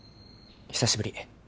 久しぶり。